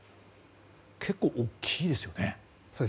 結構大きいですよね。